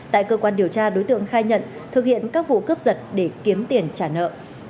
tại cơ quan điều tra đối tượng khai nhận thực hiện các vụ cướp giật để kiếm tiền trả nợ